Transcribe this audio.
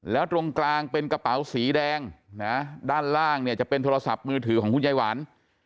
แล้วตรงกลางเป็นกระเป๋าสีแดงนะด้านล่างเนี่ยจะเป็นโทรศัพท์มือถือของคุณยายหวาน